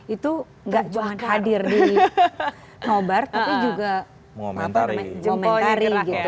itu gak cuma hadir di nobar tapi juga momentari